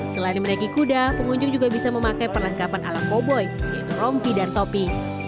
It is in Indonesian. selain menaiki kuda pengunjung juga bisa memakai perlengkapan ala koboi yaitu rompi dan topi